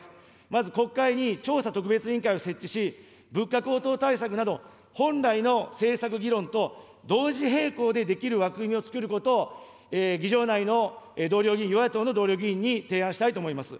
まず国会に調査特別委員会を設置し、物価高騰対策など、本来の政策議論と同時並行でできる枠組みをつくることを議場内の同僚議員、与野党の同僚議員に提案したいと思います。